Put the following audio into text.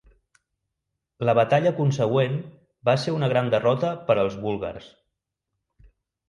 La batalla consegüent va ser una gran derrota per als búlgars.